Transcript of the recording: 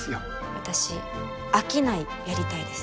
私商いやりたいです。